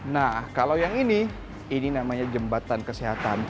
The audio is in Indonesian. nah kalau yang ini ini namanya jembatan kesehatan